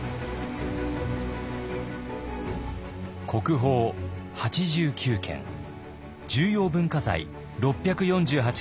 国宝８９件重要文化財６４８件をはじめ